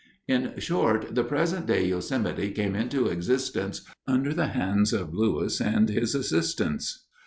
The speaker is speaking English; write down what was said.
In short, the present day Yosemite came into existence under the hands of Lewis and his assistants.